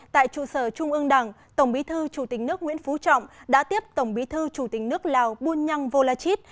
tại trụ sở trung ương đảng tổng bí thư chủ tịch nước nguyễn phú trọng đã tiếp tổng bí thư chủ tịch nước lào bunyang volachit